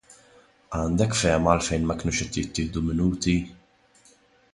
Għandek fehma għalfejn ma kenux jittieħdu Minuti?